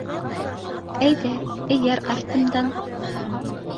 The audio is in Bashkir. Әйҙә, эйәр артымдан.